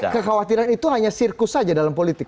kekhawatiran itu hanya sirkus saja dalam politik